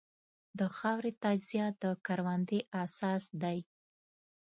د خاورې تجزیه د کروندې اساس دی.